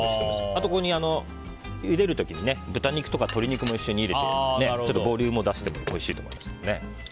あと、ここにゆでる時に豚肉とか鶏肉も一緒に入れボリュームを出してもおいしいと思います。